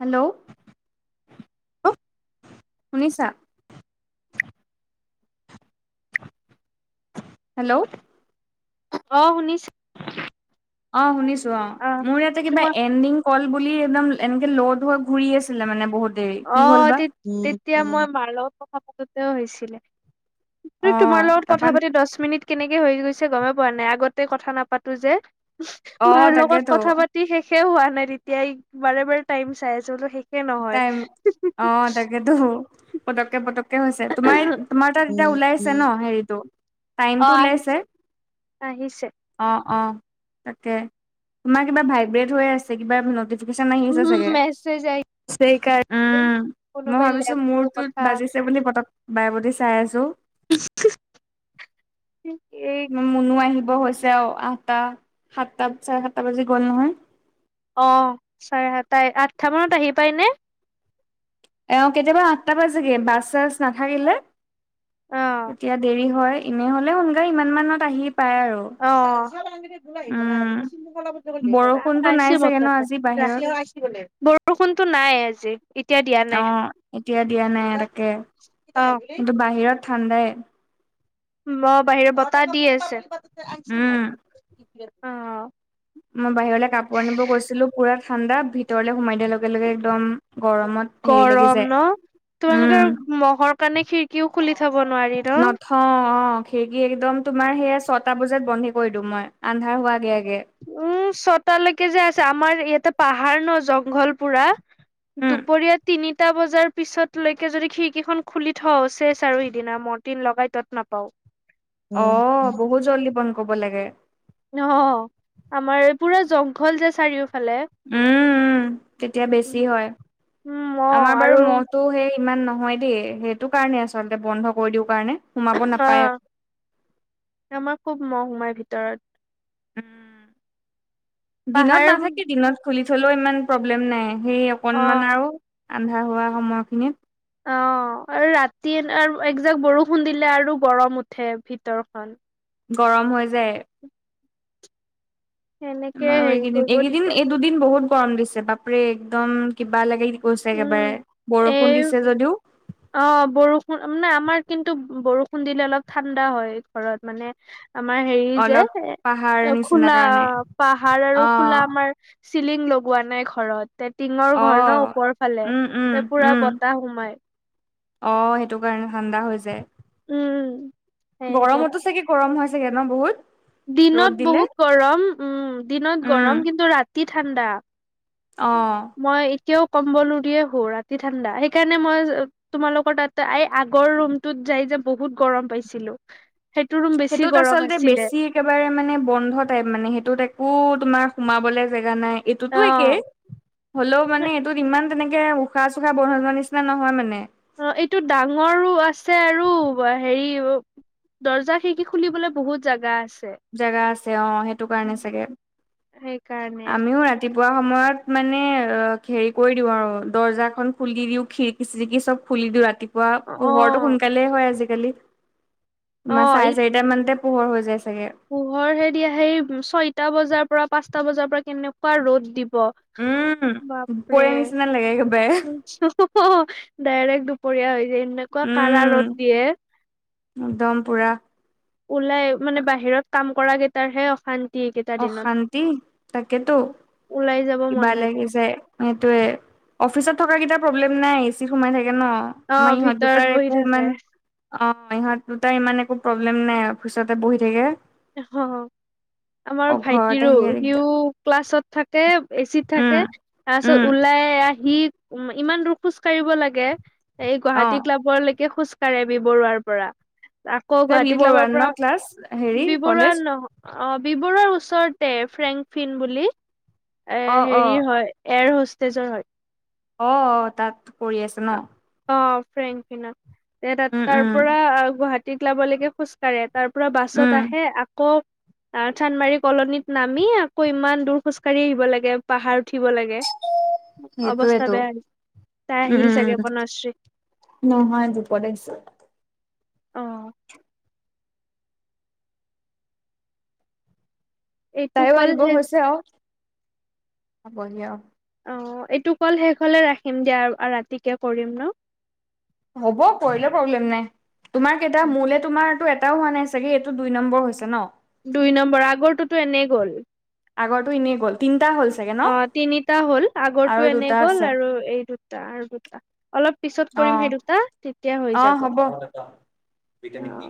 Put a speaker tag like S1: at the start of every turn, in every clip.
S1: Hello.
S2: অ
S1: শুনিছা? Hello.
S2: অ শুনিছো।
S1: অ শুনিছো অ। মোৰ ইয়াতে কিবা
S2: তোমাৰ
S1: এনডিং কল বুলি একদম এনেকে ল'ধ হৈ ঘূৰি আছিলে মানে বহুত। দেৰি
S2: অ
S1: কি হ'ল বা
S2: তেতিয়া মই মাৰ লগত কথা পাতোতেও
S1: অ
S2: হৈছিলে। তোমাৰ লগত
S1: তাৰপা
S2: কথা পাতি দহ মিনিট কেনেকে হৈ গৈছে গমে পোৱা নাই, আগতে কথা নাপাতো যে
S1: অ
S2: মাৰ লগত
S1: তাকেতো
S2: কথা পা তি শেষে হোৱা নাই তেতিয়া বাৰে বাৰে টাইম চাই আছো শেষে নহয়।
S1: টাইম অ তাকেতো পটককে পটককে হৈছে। তোমাৰ তোমাৰ তাত এতিয়া ওলাই আছে ন হেৰিটো।
S2: অ
S1: টাইমটো ওলাইছে?
S2: আহিছে আহিছে
S1: অ অ তাকে তোমাৰ কিবা ভাইব্ৰেট হৈ আছে কিবা নতি
S2: উম মেছেজ আহিছে সেইকাৰণে।
S1: উম মই
S2: কোনোবাই
S1: ভাবিছো
S2: লেপটোৰ কথা
S1: মূৰটোত বাজিছে বুলি পতক বায় প্ৰতি চাই আছো।
S2: [unintelligible]
S1: মনো আহিব হৈছে আৰু আঠটা সাতটা চাৰে সাতটা বাজি গ'ল নহয়।
S2: অ চাৰে সাততাই আঠটা মানত আহি পায় নে?
S1: অ কেতিয়াবা আঠটা বাজেগে বাছ চাছ নাথাকিলে
S2: অ
S1: তেতিয়া দেৰি হয়। এনেহ'লে সোনকালে ইমান মানত আহি পায় আৰু!
S2: অ'।
S1: উম বৰষুণতো নাই
S2: আহিছে মোৰ
S1: চাগে ন
S2: তাতে,
S1: আজি বাহিৰত
S2: বৰষুণতো নাই আজি। এতিয়া দিয়া নাই
S1: অ এতিয়া দিয়া নাই তাকে
S2: অ
S1: কিন্তু বাহিৰত ঠাণ্ডাই।
S2: অ বাহিৰত বতাহ দি আছে।
S1: উম
S2: অ
S1: মই বাহিৰলৈ কাপোৰ আনিব গৈছিলো! পুৰা ঠাণ্ডা। ভিতৰলে সোমাই দিয়াৰ লগে লগে একদম! গৰমত হেৰি লাগি
S2: গৰম
S1: যায়
S2: ন?
S1: উম
S2: তোমালোকে মহৰ কাৰণে খিৰিকীও খুলি থ'ব নোৱাৰি। ন
S1: নথ অ' অ' খিৰিকী একদম তোমাৰ সেয়া, ছটা বজাত বন্ধই কৰি দিওঁ মই, আন্ধাৰ হোৱাৰ আগে আগে।
S2: উম ছটালৈকে যে আছে, আমাৰ ইয়াতে পাহাৰ ন! জংঘল পুৰা।
S1: উম,
S2: দুপৰীয়া তিনিটা বজাৰ পিছত। লৈকে যদি খিৰিকীখন খুলি থওঁ, চেচ আৰু সিদিনা! ম'টিন লগাই তত নাপাও।
S1: অ' বহুত জল্দিী বন্ধ কৰিব লাগে।
S2: অ' আমাৰ এই পুৰা জংঘল যে চাৰিওফালে।
S1: উম উম, তেতিয়া বেছি হয়
S2: উম,
S1: আমাৰ
S2: মহ
S1: বাৰু
S2: আৰু
S1: মহ ত' সেই ইমান নহয় দেই! সেইটোকাৰণে আচলতে বন্ধ কৰি দিও কাৰণে! সোমাব নাপায়।
S2: অ' আমাৰ খুব মহ সোমায় ভিতৰত।
S1: উম, দিনত
S2: পাহাৰ
S1: নাথাকে। দিনত খুলি থ'লেও ইমান প্ৰব্লেম নাই। সেই অকনমান
S2: অ',
S1: আৰু! আন্ধাৰ হোৱা সময়খিনিত।
S2: অ' আৰু ৰাতি আৰু একজাক বৰষুণ দিলে আৰু গৰম উঠে ভিতৰখন!
S1: গৰম হৈ যায়।
S2: সেনেকে
S1: আৰু
S2: হেৰি
S1: এইকেইদিন,
S2: কৰিব
S1: এইকেইদিন
S2: দিগদাৰ।
S1: এই দুদিন বহুত গৰম দিছে। বাপৰে একদম কিবা লাগে কি গৈছে
S2: উম,
S1: একেবাৰে। বৰষুণ
S2: এই
S1: দিছে যদিও
S2: অ' বৰষুণ মানে, আমাৰ কিন্তু বৰষুণ দিলে অলপ ঠাণ্ডা হয় ঘৰত মানে! আমাৰ হেৰি যে,
S1: অলপ পাহাৰ
S2: এ
S1: নিচিনা
S2: খোলা
S1: কাৰণে
S2: পাহাৰ আৰু
S1: অ'।
S2: খোলা আমাৰ। চিলিং লগোৱা নাই ঘৰত। তে টিঙৰ
S1: অ',
S2: ঘৰ ন? ওপৰফালে
S1: উম, উম,
S2: পুৰা
S1: উম,
S2: বতাহ সোমায়।
S1: অ' সেইটো কাৰণে ঠাণ্ডা হৈ যায়।
S2: উম। সেই
S1: গৰমতো চাগে গৰম হয় চাগে ন বহুত? ৰ'দ
S2: দিনত
S1: দিলে,
S2: বহুত গৰম। উম, দিনত
S1: উম,
S2: গৰম কিন্তু ৰাতি ঠাণ্ডা।
S1: অ'।
S2: মই এতিয়াও কম্বল ওৰিয়ে শোও। ৰাতি ঠাণ্ডা! সেইকাৰণে মই। তোমালোকৰ তাতে এই আগৰ ৰুমটোত যাই যে বহুত গৰম পাইছিলো। সেইটো ৰুম বেছি
S1: সেইটোত
S2: গৰম
S1: আচলতে
S2: আছিলে!
S1: বেছি একেবাৰে মানে বন্ধ টাইপ মানে, সেইটোত একো তোমাৰ সোমাবলে। জেগা নাই।
S2: অ
S1: এইটোতো একে। হ'লেও মানে এইটোত ইমান। তেনেকে উশাহ-চোশাহ বন্ধ হৈ যোৱাৰ নিচিনা নহয় মানে!
S2: অ' এইটো ডাঙৰো আছে আৰু হেৰি দৰ্জা-খিৰিকী খুলিবলৈ বহুত জাগা আছে।
S1: জেগা আছে অ'। সেইটো কাৰণে চাগে!
S2: সেইকাৰণে
S1: আমিও ৰাতি ৰাতিপুৱা সময়ত মানে হেৰি কৰি দিওঁ আৰু! দৰ্জাখন খুলি দিও, খি খিৰিকী-ছিৰিকি চব খুলি দিওঁ ৰাতিপুৱা।
S2: অ
S1: পোহৰটো সোনকালে হয় আজিকালি!
S2: অ
S1: আমাৰ চাৰে-চাৰিটা মানতে পোহৰ হৈ যায় চাগে!
S2: পোহৰহে দি সেই ছয়টা বজাৰ পৰা পাঁচটা বজাৰ পৰা কেনেকুৱা ৰ'দ দিব!
S1: উম। দুপৰীয়া
S2: বাপৰে
S1: নিচিনা লাগে একেবাৰে।
S2: ডাইৰেক্ট দুপৰীয়া হৈ যায়। এনেকুৱা কাৰা
S1: উম
S2: ৰ'দ দিয়ে।
S1: একদম পুৰা
S2: ওলাই মানে বাহিৰত কাম কৰা কেইটাৰ হে অশান্তি। এইকেইটা দিনত
S1: অশান্তি তাকেতো
S2: ওলাই যাব মন
S1: কিবা
S2: নাযায়
S1: লাগিজাই। সেইটোয়ে অফিচত থকা কেইটা প্ৰব্লেম নাই এচিত সোমাই থাকে ন।
S2: অ
S1: আমাৰ ইহত
S2: ভিতৰত
S1: দুটাৰ
S2: বহি
S1: একো ইমান।
S2: থাকে
S1: অ' ইহঁত দুটাৰ ইমান একো প্ৰব্লেম নাই আৰু। অফিচতে বহি থাকে।
S2: [unintelligible] আমাৰ
S1: অ ঘৰত
S2: ভাইটিৰো,
S1: আহি দিগদাৰ
S2: সিও ক্লাছত থাকে, এ-চিত
S1: উম
S2: থাকে।
S1: উম
S2: তাৰপিছত ওলাই আহি উ ইমান দূৰ খোজ কাঢ়িব লাগে এই
S1: অ
S2: গুৱাহাটী ক্লাবৰলৈকে খোজ। বি বৰুৱাৰ পৰা আকৌ
S1: তাই বি
S2: গুৱাহাটী ক্লাবৰ পৰা।
S1: [unintelligible] হেৰি,
S2: বি বৰুৱা
S1: কলেজ
S2: নহ অ বি বৰুৱাৰ ওচৰতে ফ্ৰেংকফিন বুলি। এ
S1: অ অ
S2: হেৰি হয় এয়াৰ হোষ্টেজৰ হয়।
S1: অ অ তাত কৰি আছে ন।
S2: অ ফ্ৰেংকিনত ত
S1: উম
S2: তাৰ
S1: উম
S2: পৰা গুৱাহাটীত ক্লাব লৈকে খোজকাঢ়ে। তাৰ পৰা
S1: উম
S2: বাছত আহে আকৌ। আহ চান্দমাৰি কলনীত নামি আকৌ ইমান দূৰ খোজ কাঢ়ি আহিব লাগে পাহাৰ উঠিব লাগে। অৱস্থা
S1: সেইটোয়েতো
S2: বেয়া তাই
S1: উম
S2: আহিল
S1: উম
S2: চাগে বনশ্ৰী।
S1: নহয় দুপৰ [unintelligible]
S2: অ এইটো
S1: তাইও
S2: কল
S1: আহিব
S2: শেষ
S1: হৈছে আৰু পাবহি আৰু
S2: অ এইটো কল শেষ হলে ৰাখিম দিয়া আৰু ৰাতিকে কৰিম ন।
S1: হ'ব কৰিলে প্ৰব্লেম নাই তোমাৰ কেইটা মোলে তোমাৰো এটাও হোৱা নাই চাগে এইটো দুই নম্বৰ হৈছে ন।
S2: দুই নম্বৰ আগৰটোতো এনেই গ'ল।
S1: আগটো এনেই গ'ল তিনিটা হ'ল। চাগে ন
S2: অ তিনিটা হ'ল
S1: আৰু
S2: আগৰটো
S1: দুটা
S2: এনেই গ'ল
S1: আছে
S2: আৰু এই দুটা আৰু দুটা, অলপ পিছত
S1: অ
S2: কৰিম সেই দুটা তেতিয়া হৈ,
S1: অ
S2: যাব
S1: হ'ব।
S2: অ
S1: ভিটামিন দি।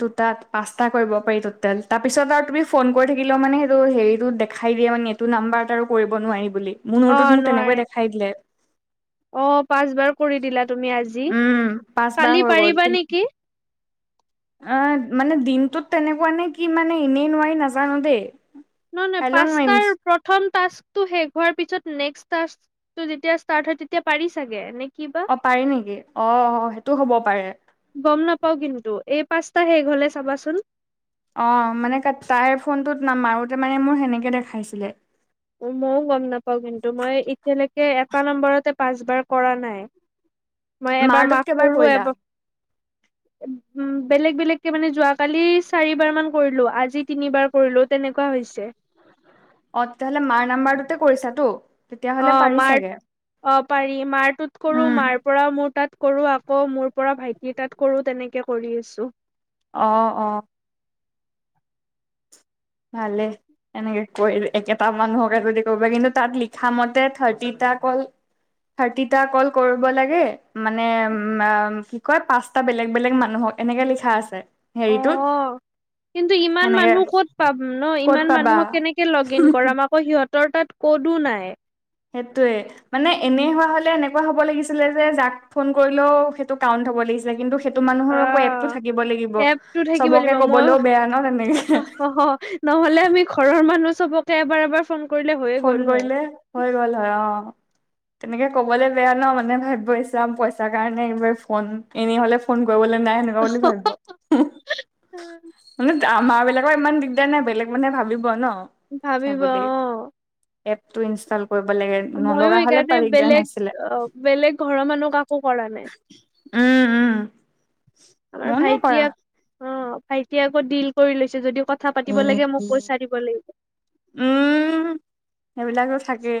S1: দুটাত পাঁচটা কৰিব পাৰি টোটেল তাৰ পিছত আৰু তুমি ফোন কৰি থাকিলেও মানে সেইটো হেৰি দেখাই দিয়ে মানে এইটো নাম্বাৰ আৰু কৰিব নোৱাৰি বুলি মোৰ
S2: অ
S1: মূৰটোত মোক
S2: নোৱাৰে
S1: তেনেকুৱাই দেখাই দিলে।
S2: অ পাঁচবাৰ কৰি দিলা তুমি আজি
S1: উম পাঁচবাৰ
S2: কালি
S1: হৈ গ'ল
S2: পাৰিবা নেকি।
S1: অ মানে দিনটোত তেনেকুৱা নে কি মানে এনেই মই নাজানো দেই।
S2: নহ নহয়
S1: কাইলৈ মাৰিমছ
S2: পাঁচাৰ প্ৰথম টাস্কটো শেষ হোৱাৰ পিছত নেক্স টাস্ক, তো যেতিয়া ষ্টাৰ্ট হয় তেতিয়া পাৰি চাগে নে কি বা,
S1: অ পাৰি নেকি অ অ সেইটো হ'ব পাৰে।
S2: গম নাপাও কিন্তু এই পাঁচটা শেষ হলে চাবাচোন।
S1: অ মানে তাইৰ ফোনটোত নামাৰোতে মানে মোৰ সেনেকে দেখাইছিলে।
S2: মইও গম নাপাও কিন্তু মই এতিয়ালৈকে এটা নম্বৰতে পাঁচ বাৰ কৰা নাই। মই এবাৰ
S1: মাৰটোত
S2: মাফ
S1: কেইবাৰ
S2: কৰো
S1: কৰিলা
S2: এব উ বেলেগ বেলেগকে মানে যোৱা কালি চাৰিবাৰ মান কৰিলো আজি তিনিবাৰ, কৰিলো তেনেকুৱা হৈছে।
S1: অ তেতিয়াহ'লে মাৰ নাম্বাৰটোতে কৰিছাটো।
S2: অ মাৰ অ পাৰি মাৰটোত কৰো
S1: উম
S2: মাৰ, পৰা মোৰ তাত কৰো আকৌ মোৰ পৰা ভাইটিৰ তাত কৰো তেনেকে কৰি আছো।
S1: অ অ, ভালে, এনেকে ক একেটা মানুহকে যদি কৰিবা কিন্তু তাত লিখা মতে থাৰ্টিটা কল, থাৰ্টিটা কল কৰিব লাগে, মানে উম কি কয় পাচঁ- টা বেলেগ বেলেগ মানুহক এনেকে লিখা আছে।
S2: অ,
S1: হেৰিটোত
S2: কিন্তু ইমান
S1: এনেকে
S2: মানুহ ক'ত? পাম ন
S1: ক'ত
S2: ইমান
S1: পাবা
S2: মানুহক কেনেকে লগ ইন কৰাম আকৌ সিহঁতৰ তাত ক'তো নাই।
S1: সেইটোৱে- মানে এনে হোৱা হলে এনেকুৱা হব লাগিছিলে যে যাক ফোন কৰিলেও সেইটো কাউণ্ট হব লাগিছিলে কিন্তু, সেইটো মানুহৰ আকৌ এপটো
S2: আহ
S1: থাকিব লাগিব
S2: এপটো থাকিব
S1: চবকে কবলেও বেয়া ন তেনেকে।
S2: অহ নহলে আমি ঘৰৰ মানুহ চবকে এবাৰ এবাৰ ফোন, কৰিলে হৈয়ে
S1: ফোন
S2: গ'ল হয়
S1: কৰিলে হৈ গল হয় অ, তেনেকে কবলৈ বেয়া ন মানে ভাবিব আহছ পইচাৰ কাৰণেবাৰ ফোন এনেই হলে ফোন কৰিবলৈ নাই নে। সেনেকা বুলি ভাবিব। হুম, মানে আমাৰ বিলাকৰ ইমান দিগদাৰ নাই বেলেগ মানুহে ভাবিব ন।
S2: ভাবিব অ।
S1: সেইবুলি এপটো ইনষ্টল- কৰিব লাগে,
S2: ময়ো
S1: নলগা হলে
S2: সেইকাৰণে
S1: পাৰি দিগদাৰ
S2: বেলেগ
S1: নাছিলে।
S2: অ বেলেগ ঘৰৰ মানুহ কাকো কৰা নাই
S1: উম উম।
S2: আমাৰ
S1: মনে কৰা
S2: ভাইটিয়ে- অঁ, ভাইটিয়ে আকৌ ডিল কৰি লৈছে যদিও কথা পাতিব লাগে মোক পইচা দিব লাগিব।
S1: উম সেইবিলাকো থাকেই,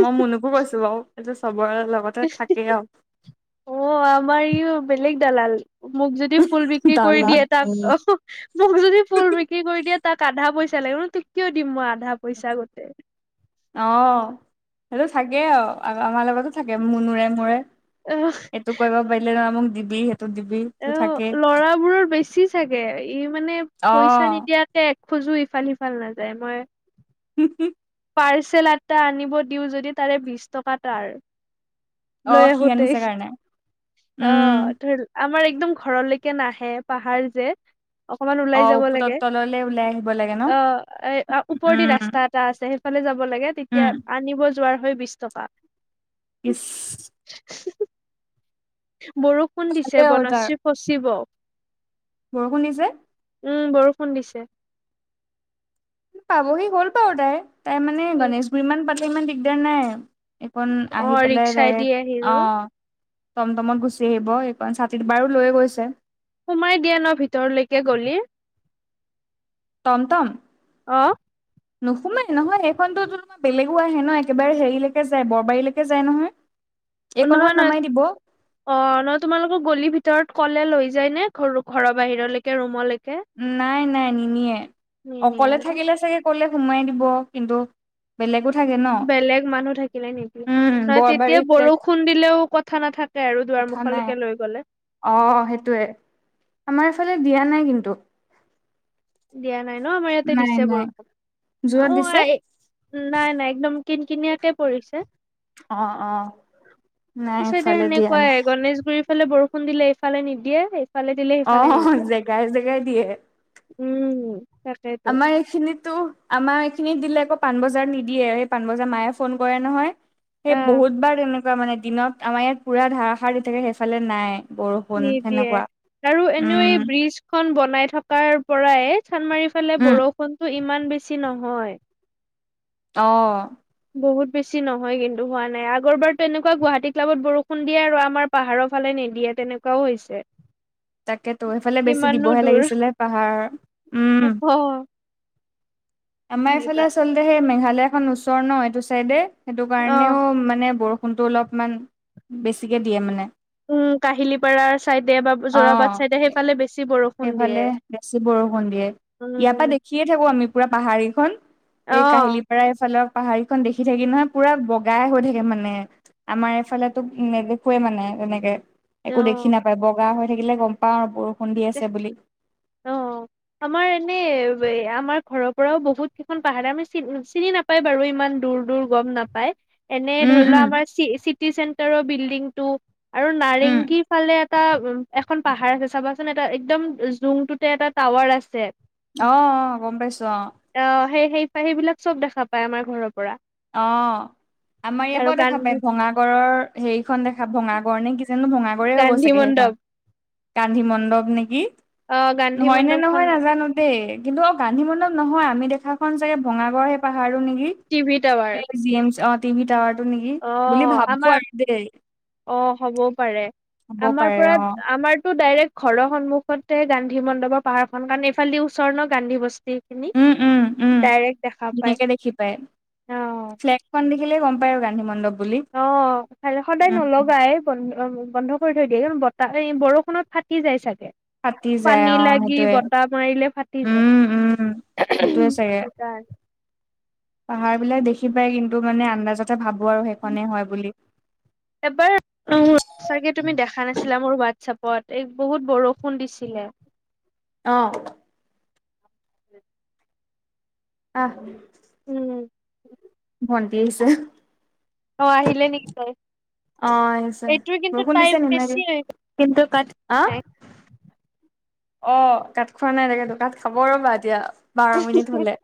S1: মই মুনুকো কৈছো বাও। এইটো চবৰে লগতে থাকেই আও।
S2: অ আমাৰ ই বেলেগ দালাল। মোক যদি ফুল বিক্ৰী কৰি দিয়ে, তাক অ মোক যদি ফুল বিক্ৰী কৰি দিয়ে। তাক আধা পইচা লাগিব ন তই কিয় দিম মই আধা পইচা গোতে।
S1: অঁ সেইটো থাকে আৰু আমাৰ লগতো থাকে মুনুৰে মোৰে।
S2: উম,
S1: এইটো কৰিব পাৰিলে নহয় মোক দিবি সেইটো দিবি। সেইটো থাকেই
S2: এ লৰাবোৰৰ বেছি চাগে ই মানে
S1: অ
S2: পইচা নিদিয়াকে- খোজো ইফাল সিফাল নাযায় মই-
S1: কি [unintelligible]
S2: পাৰ্চেল এটা আনিব দিও যদি তাৰে বিশ টকা তাৰ।
S1: অ
S2: লৈ
S1: সি
S2: আহোতেই,
S1: আনিছে কাৰণে উম
S2: অঁ ধ- আমাৰ একদম ঘৰলৈকে নাহে, পাহাৰ যে অকমান
S1: অ
S2: ওলাই যাব
S1: উপুতৰ
S2: লাগে-
S1: তললে ওলাই আহিব লাগে ন।
S2: অঁ এ ওপৰেদি
S1: উম
S2: ৰাস্তা এটা আছে সেইফালে যাব লাগে
S1: উম
S2: তেতিয়া আনিব- যোৱাৰ হৈ বিশ টকা।
S1: ইচ -
S2: উ [unintelligible] বৰষুণ দিছে
S1: ভালেই আৰু তাৰ
S2: বনাশ্ৰী ফচিব।
S1: বৰষুণ দিছে
S2: উম বৰষুণ দিছে।
S1: পাবহি হ'ল বাৰু তাই, তাই মানে গণেশগুৰি মান পালে ইমান দিগদাৰ নাই। এইকন
S2: অ
S1: আহি পেলাই
S2: ৰিক্সাই দি
S1: ডাইৰেক্ট,
S2: আহিলো
S1: অঁ - টমটমত গুচি আহিব এইকন, ছাতিটো বাৰো লৈয়ে গৈছে।
S2: সোমাই দিয়া ন ভিতৰলৈকে গলি।
S1: টমটম।
S2: অঁ
S1: নোসোমাই নহয় সেইখনতো- বেলেগো আহে ন, একেবাৰে হেৰিলৈকে যায় বৰবাৰীলৈকে যায় নহয়।
S2: নহয়
S1: এইকণত
S2: নই-
S1: নমাই দিব
S2: অ, নহলে তোমালোকক গলি ভিতৰত ক'লে লৈ যায় নে ঘৰু ঘৰৰ বাহিৰলৈকে ৰুমলৈকে।
S1: নাই নাই নিনিয়ে
S2: নিনিয়ে
S1: অকলে
S2: ন?
S1: থাকিলে চাগে কলে সোমাই দিব কিন্তু। বেলেগো থাকে ন
S2: বেলেগ মানুহ থাকিলে নিনিয়ে
S1: উম
S2: নহয়
S1: বৰবাৰী
S2: তেতিয়া
S1: ফ্লেট
S2: বৰষুণ দিলেও কথা নাথাক কে আৰু দুৱাৰ
S1: কথা নাই
S2: মুুখলৈকে লৈ গ'লে
S1: অ সেইটোৱে আমাৰ এইফালে দিয়া নাই কিন্তু
S2: দিয়া নাই ন আমাৰ ইয়াতে
S1: নাই
S2: দিছে
S1: নাই
S2: বৰষুণ,
S1: যোৰত
S2: অঁ
S1: দিছে
S2: এই - নাই নাই একদম কিন কিনিয়াকে পৰিছে।
S1: অ অ নাই
S2: চাইদে,
S1: এইফালে দিয়া
S2: সেনেকুৱাই
S1: নাই
S2: গণেশগুৰি - ইফালে বৰষুণ দিলে এইফালে নিদিয়ে এইফালে দিলে
S1: অ
S2: সেইফালে নিদিয়ে।
S1: জেগাই জেগাই দিয়ে
S2: উম তাকে
S1: আমাৰ এইখিনিতো আমাৰ এইখিনি দিলে আকৌ পাণবজাৰ নিদিয়ে সেই পাণবজাৰ মায়ে ফোন কৰে নহয় সেই
S2: আহ
S1: বহুত বাৰ তেনেকুৱা মানে দিনত আমাৰ ইয়াত পুৰা ধাৰাসাৰ দি থাকে সেইফালে নাই। বৰষুণ
S2: নিদিয়ে
S1: সেনেকুৱা
S2: আৰু এনেও এই
S1: উম
S2: ব্ৰীজ খন বনাই থকাৰ পৰাই চান্দমাৰি ফালে
S1: উম
S2: বৰষুণটো ইমান বেছি নহয়
S1: অ
S2: বহুত বেছি নহয় কিন্তু হোৱা নাই আগৰ বাৰতো এনেকুৱা গুৱাহাটী ক্লাবত বৰষুণ দিয়ে আৰু আমাৰ পাহাৰৰ ফালে নিদিয়ে তেনেকুৱাও হৈছে।
S1: তাকে তো সেইফালে বেছি
S2: কিমাননো
S1: দিবহে
S2: দূৰ
S1: লাগিছিলে পাহাৰ উম
S2: অ
S1: আমাৰ ইফালে
S2: কিবা
S1: আচলতে সেই মেঘালয়খন ওচৰ ন এইটো চাইডে সেইটো
S2: অ
S1: কাৰণেও মানে বৰ ষুণটো অলপমান বেছিকৈ দিয়ে মানে
S2: উম কাহিলীপাৰাৰ চাইডে বা
S1: অ
S2: জোৰাবাট চাইডে সেইফালে বেছি বৰষুণ
S1: সেইফালে
S2: দিয়ে
S1: বেছি বৰষুণ দিয়ে ইয়াৰ পৰা
S2: উম
S1: দেখিয়ে থাকো আমি পুৰা পাহাৰকেইখন এই
S2: অ
S1: কাহিলী পাৰা এইফালৰ পাহাৰকেইখন দেখি থাকি নহয় পুৰা বগাই হৈ থাকে মানে আমাৰ এইফালে তো নেদেখোৱে মানে এনেকে। একো দেখি
S2: অ
S1: নাপায় বগা হৈ থাকিলে গম পাওঁ বৰষুণ দি আছে বুলি।
S2: অ আমাৰ এনে আমাৰ ঘৰৰ পৰাও বহুত কেইখন পাহাৰ আমি চ চিনি নাপ পাই বাৰু ইমান দূৰ দূৰ গম নাপ পায় এনে
S1: উম,
S2: ধৰি লোৱা
S1: উম,
S2: আমাৰ চি চিটি চেন্টাৰৰ বিল্ডিং টো। আৰু
S1: উম,
S2: নাৰেংগী ফালে এটা উ এখন পাহাৰ আছে চাবা। চোন এটা একদম জুংটোতে এটা টাৱাৰ আছে।
S1: অ অ গমপাইছো অ
S2: আহ সেই সেই সেইবিলাক চব দেখা পায় আমাৰ ঘৰৰ পৰা
S1: অ আমাৰ এয়া
S2: আৰু
S1: পাওঁ দেখা
S2: গান্ধী
S1: পায় ভঙাগড়ৰৰ সেইখন দেখা ভঙাগৰ নে কিজানো ভঙাগৰে হ'ব
S2: গান্ধী
S1: চাগে
S2: মণ্ডপ
S1: সেইখন কান্ধি মণ্ডপ নেকি,
S2: অ', গান্ধী
S1: হয় নে
S2: মণ্ডপখন
S1: নহয় নাজানো দেই কিন্তু অ গান্ধী মণ্ডপ নহয় আমি দেখাখন চাগে ভঙাগড়ৰ সেই পাহাৰো নেকি?
S2: টিভি তাৱা
S1: সেই জিয়েম অ টিভি টাৱাৰ টো নেকি বুলি
S2: অ',
S1: ভাবো
S2: আমাৰ
S1: আৰু দেই
S2: অ হ'বও পাৰে
S1: হ'ব
S2: আমাৰ
S1: পাৰে
S2: পৰা
S1: অ
S2: আমাৰতো ডাইৰেক্ট ঘৰৰ সন্মুখতে গান্ধী মণ্ডপৰ পাহাৰ খন কাৰণে এইফালদি ওচৰ ন গান্ধী বস্তি। খিনি
S1: উম উম উম
S2: ডাইৰেক্ট দেখা পায়
S1: ধুনীয়াকে দেখি পায়
S2: অ
S1: ফ্লেগ খন দেখিলে গম পায় আৰু গান্ধী মণ্ডপ। বুলি
S2: অ খালি সদায়
S1: উম
S2: নলগাই। বন্ধ বন্ধ কৰি থৈ দিয়ে কিন্তু বতাহ বৰষুণত ফাটি যায় চাগে।
S1: ফাটি যায়
S2: পানী
S1: অ
S2: লাগি
S1: সেইটোয়ে
S2: বতাহ মাৰিলে ফাটি যায়
S1: উম উম। সেইটোৱে চাগে।
S2: সেইকাৰণে
S1: পাহাৰ বিলাক দেখি পাই কিন্তু মানে আন্দাজতে ভাবো আৰু সেইখনেই হয় বুলি।
S2: এবাৰ। চাগে তুমি দেখা নাছিলা মোৰ হোৱাটছএপত এই বহুত বৰষুণ দিছিলে।
S1: অ।
S2: [unintelligible]
S1: আহ।
S2: উম
S1: ভন্টি আহিছে।
S2: অ আহিলে নেকি গৈ?
S1: অ আহিছে
S2: এইটো কিন্তু
S1: বৰষুণ
S2: টাইম
S1: দিছে নি আপোনালোকে
S2: বেছি, কিন্তু কাট খোৱা
S1: আ
S2: নাই।
S1: অ কাত খোৱা নাই তাতো কাত খাব ৰ'বা এতিয়া। বাৰ মিনিট হলে।